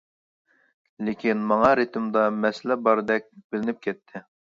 لېكىن ماڭا رىتىمىدا مەسىلە باردەك بىلىنىپ كەتتى!